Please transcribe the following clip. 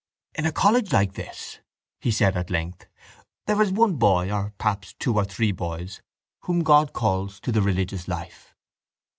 —In a college like this, he said at length, there is one boy or perhaps two or three boys whom God calls to the religious life.